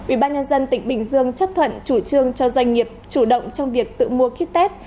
ubnd tỉnh bình dương chấp thuận chủ trương cho doanh nghiệp chủ động trong việc tự mua kit test